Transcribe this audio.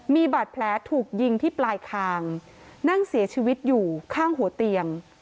มีบาดแผลถูกยิงที่ปลายคางนั่งเสียชีวิตอยู่ข้างหัวเตียง